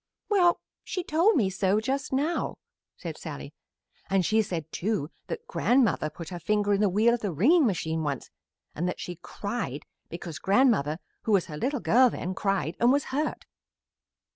"Well, she told me so just now," said Sallie, "and she said, too, that grandmother put her finger in the wheel of the wringing machine once, and that she cried because grandmother, who was her little girl then, cried, and was hurt."